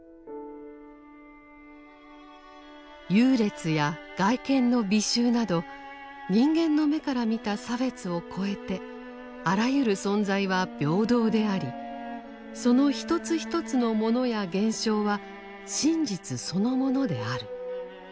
優劣や外見の美醜など人間の目から見た差別を超えてあらゆる存在は平等でありその一つ一つの物や現象は真実そのものである。